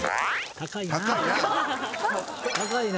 高いな！